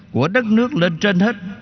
của đất nước lên trên hết